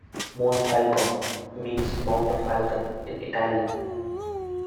Monfalcone means "Mount of Falcon" in Italian.